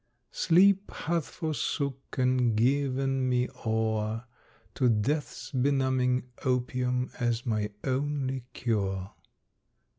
Sleep hath forsook and given me o'er To death's benumbing opium as my only cure.